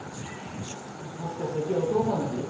あっもしかして今日お父さんの日？